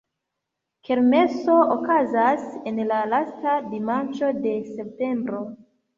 Kermeso okazas en la lasta dimanĉo de septembro.